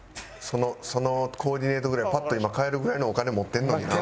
そのコーディネートぐらいパッと今買えるぐらいのお金持ってんのにな。